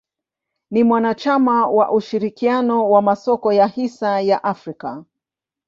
Ni mwanachama wa ushirikiano wa masoko ya hisa ya Afrika.